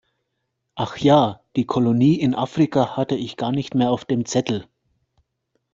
Ach ja, die Kolonie in Afrika hatte ich gar nicht mehr auf dem Zettel.